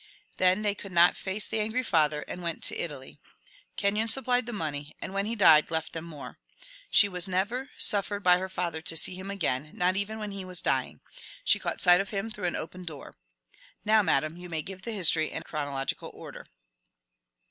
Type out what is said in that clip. Then they could not face the angry father, and went to Italy. Kenyon supplied the money; and when he died left them more. She was never suffered by her father to see him again — not even when he was dying. She caught sight of him through an open door. Now, madam, you may give the his tory in chronological order.